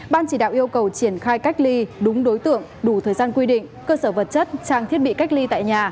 ban chỉ đạo yêu cầu triển khai cách ly đúng đối tượng đủ thời gian quy định cơ sở vật chất trang thiết bị cách ly tại nhà